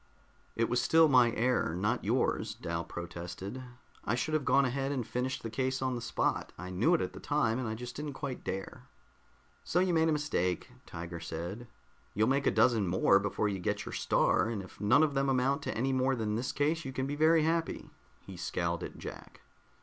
"It was still my error, not yours," Dal protested. "I should have gone ahead and finished the case on the spot. I knew it at the time, and I just didn't quite dare." "So you made a mistake," Tiger said. "You'll make a dozen more before you get your Star, and if none of them amount to any more than this one, you can be very happy." He scowled at Jack.